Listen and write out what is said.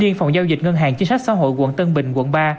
riêng phòng giao dịch ngân hàng chính sách xã hội quận tân bình quận ba